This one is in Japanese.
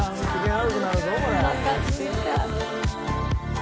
おなかすいた。